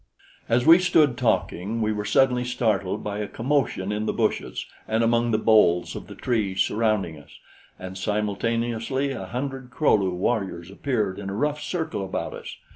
As we stood talking, we were suddenly startled by a commotion in the bushes and among the boles of the trees surrounding us, and simultaneously a hundred Kro lu warriors appeared in a rough circle about us.